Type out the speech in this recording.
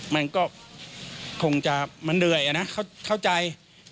มันก็คงจะมันเหนื่อยนะเข้าใจ